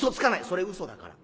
「それ嘘だから。